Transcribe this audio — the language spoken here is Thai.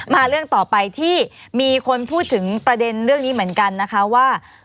เรื่องต่อไปที่มีคนพูดถึงประเด็นเรื่องนี้เหมือนกันนะคะว่า